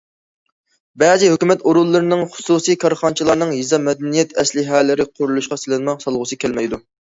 بەزى ھۆكۈمەت ئورۇنلىرىنىڭ، خۇسۇسىي كارخانىچىلارنىڭ يېزا مەدەنىيەت ئەسلىھەلىرى قۇرۇلۇشىغا سېلىنما سالغۇسى كەلمەيدۇ.